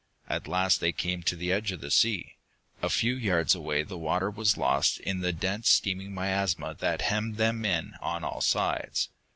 At last they came to the edge of the sea. A few yards away the water was lost in the dense steaming miasma that hemmed them in on all sides.